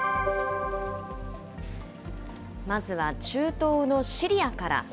まずは中東のシリアから。